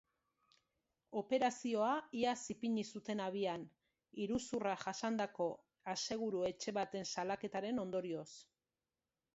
Operazioa iaz ipini zuten abian, iruzurra jasandako aseguru-etxe baten salaketaren ondorioz.